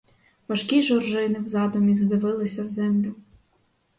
Важкі жоржини в задумі задивилися в землю.